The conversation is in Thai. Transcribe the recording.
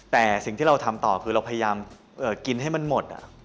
แต่สิ่งที่เราทำต่อคือเราพยายามกินให้มันหมด